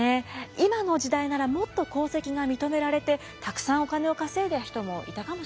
今の時代ならもっと功績が認められてたくさんお金を稼いだ人もいたかもしれないね。